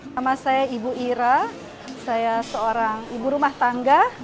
nama saya ibu ira saya seorang ibu rumah tangga